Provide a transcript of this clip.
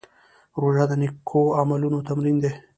روژه د نېکو عملونو تمرین دی.